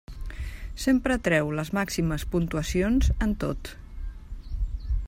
Sempre treu les màximes puntuacions en tot.